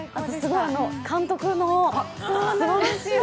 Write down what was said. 監督の、すばらしい。